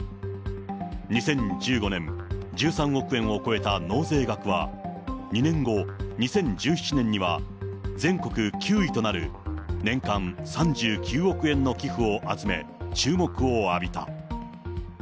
２０１５年、１３億円を超えた納税額は、２年後、２０１７年には全国９位となる、年間３９億円の寄付を集め、注目を浴びた。